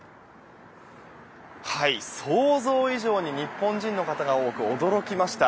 想像以上に日本人の方が多く驚きました。